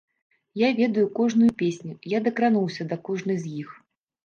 Я ведаю кожную песню, я дакрануўся да кожнай з іх.